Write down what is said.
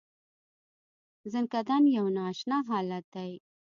ځنکدن یو نا اشنا حالت دی .